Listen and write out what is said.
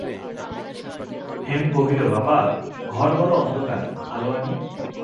হেম কহিল, বাবা, ঘর বড়ো অন্ধকার, আলো আনি।